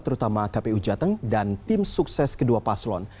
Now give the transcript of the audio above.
terutama kpu jateng dan tim sukses kedua paslon